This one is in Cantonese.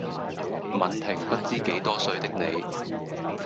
吻停不知幾多歲的你